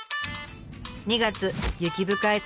２月雪深い